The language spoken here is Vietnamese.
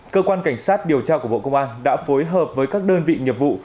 cơ quan cảnh sát điều trao của bộ công an đã phối hợp với các đơn vị nhiệm vụ